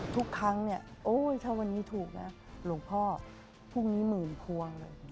ทุกครั้งถ้าวันนี้ถูกหลวงพ่อพรุ่งนี้หมื่นพวง